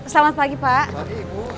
selamat pagi pak